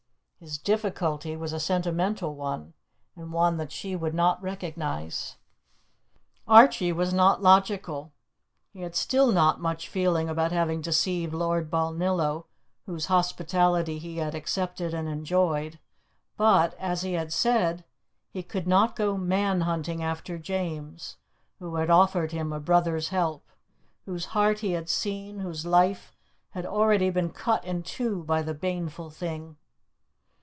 His difficulty was a sentimental one, and one that she would not recognize. Archie was not logical. He had still not much feeling about having deceived Lord Balnillo, whose hospitality he had accepted and enjoyed, but, as he had said, he could not go "man hunting" after James, who had offered him a brother's help, whose heart he had seen, whose life had already been cut in two by the baneful thing.